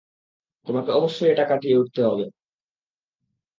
তোমাকে অবশ্যই এটা কাটিয়ে উঠতে হবে।